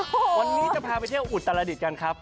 วันนี้จะพาไปเที่ยวอุตรดิษฐ์กันครับ